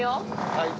はい。